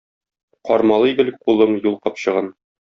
Кармалый гел кулың юл капчыгын?